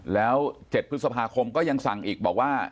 แล้ว๗พฤษภาคมก็ยังสั่งอีกบอกว่า